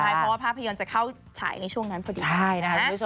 ใช่เพราะว่าภาพยนตร์จะเข้าฉายในช่วงนั้นพอดี